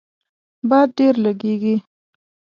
باد ډیر لږیږي